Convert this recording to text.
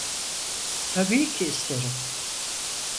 Tabii ki isterim.